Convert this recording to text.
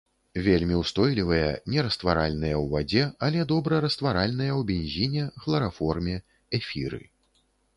Вельмі ўстойлівыя, нерастваральныя ў вадзе, але добра растваральныя ў бензіне, хлараформе, эфіры.